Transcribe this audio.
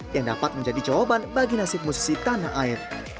yang dapat menjadi jawaban bagi nasib musisi tanah air